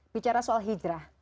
bicara soal hijrah